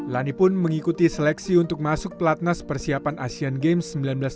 lani pun mengikuti seleksi untuk masuk pelatnas persiapan asian games seribu sembilan ratus delapan puluh